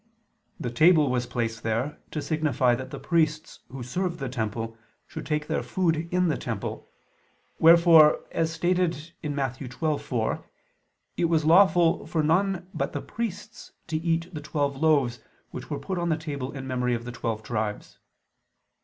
The table was placed there to signify that the priests who served the temple should take their food in the temple: wherefore, as stated in Matt. 12:4, it was lawful for none but the priests to eat the twelve loaves which were put on the table in memory of the twelve tribes.